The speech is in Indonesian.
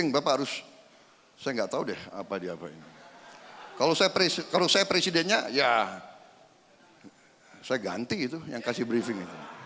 kalau saya presidennya ya saya ganti itu yang memberi briefing